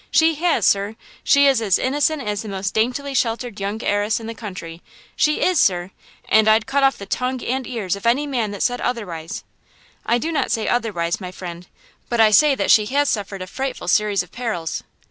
She has, sir! She is as innocent as the most daintily sheltered young heiress in the country! She is, sir! And I'd cut off the tongue and ears of any man that said otherwise." "I do not say otherwise, my friend; but I say that she has suffered a frightful series of perils."